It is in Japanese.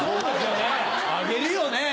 あげるよね。